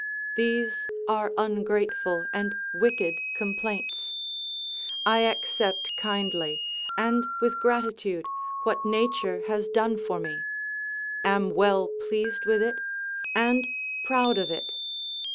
These are ungrateful and wicked complaints. I accept kindly, and with gratitude, what nature has done for me; am well pleased with it, and proud of it.